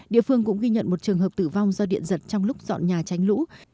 địa phương cũng ghi nhận một trường hợp tử vong do điện giật trong lúc dọn nhà tránh lũ